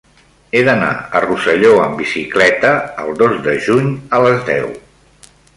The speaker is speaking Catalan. He d'anar a Rosselló amb bicicleta el dos de juny a les deu.